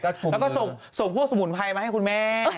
พี่ก็ส่งปลูกสมุนไพรมาให้คุณแม่